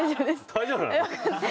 大丈夫なの？